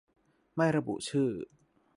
ไม่ระบุชื่อ